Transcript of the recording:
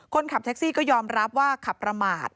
คนขับแท็กซี่ก็ยอมรับว่าขับประมาท